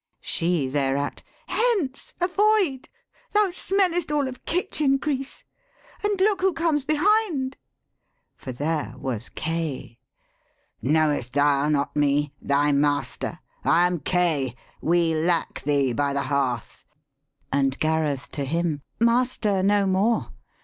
She thereat, 'Hence! Avoid, thou smellest all of kitchen grease. And look who comes behind,' for there was Kay. ' Knowest thou not me ? thy master? I am Kay. We lack thee by the hearth.' And Gareth to him, 'Master no more!